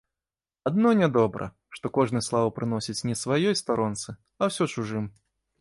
Адно нядобра, што кожны славу прыносіць не сваёй старонцы, а ўсё чужым.